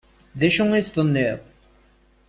D acu i as-tenniḍ?